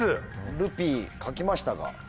「ルピー」書きましたが。